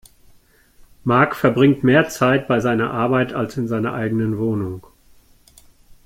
Mark verbringt mehr Zeit bei seiner Arbeit als in seiner eigenen Wohnung.